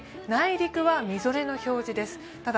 内陸はみぞれの表示です。